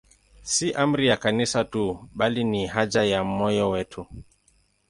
Si amri ya Kanisa tu, bali ni haja ya moyo wetu.